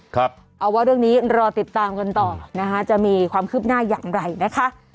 เอาว่าเรื่องนี้รอติดตามกันต่อนะคะจะมีความคืบหน้าอย่างไรนะคะ